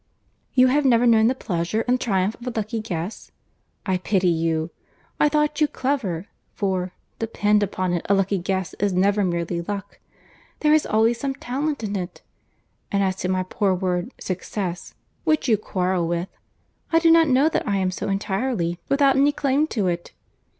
"And have you never known the pleasure and triumph of a lucky guess?—I pity you.—I thought you cleverer—for, depend upon it a lucky guess is never merely luck. There is always some talent in it. And as to my poor word 'success,' which you quarrel with, I do not know that I am so entirely without any claim to it.